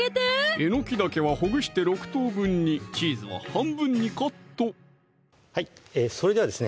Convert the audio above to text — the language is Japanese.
えのきだけはほぐして６等分にチーズは半分にカットそれではですね